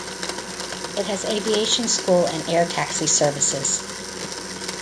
It has aviation school and air taxi services.